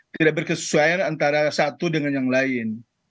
jadi saya berkesesuaian antara satu dengan yang lain